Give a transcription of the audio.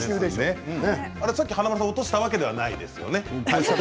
さっき華丸さん落としたわけではないですよね。